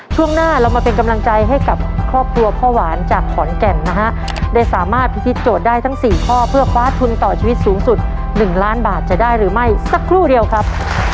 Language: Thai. ช่วงหน้าเรามาเป็นกำลังใจให้กับครอบครัวพ่อหวานจากขอนแก่นนะฮะได้สามารถพิธีโจทย์ได้ทั้งสี่ข้อเพื่อคว้าทุนต่อชีวิตสูงสุด๑ล้านบาทจะได้หรือไม่สักครู่เดียวครับ